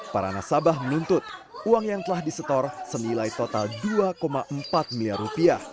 para nasabah menuntut uang yang telah disetor senilai total rp dua empat miliar